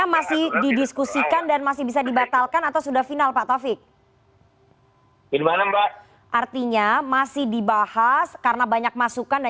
mengundang eksekutif gitu saya